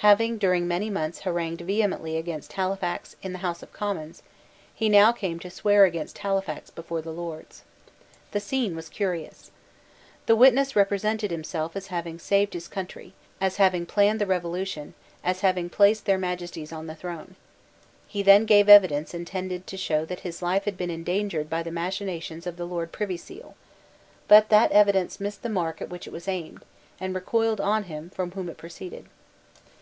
Having during many months harangued vehemently against Halifax in the House of Commons, he now came to swear against Halifax before the Lords. The scene was curious. The witness represented himself as having saved his country, as having planned the Revolution, as having placed their Majesties on the throne. He then gave evidence intended to show that his life had been endangered by the machinations of the Lord Privy Seal: but that evidence missed the mark at which it was aimed, and recoiled on him from whom it proceeded.